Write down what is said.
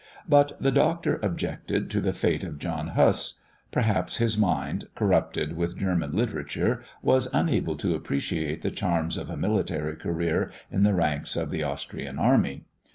But the Doctor objected to the fate of John Huss; perhaps his mind, corrupted with German literature, was unable to appreciate the charms of a military career in the ranks of the Austrian army.